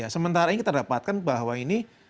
sementara ini kita dapatkan bahwa ini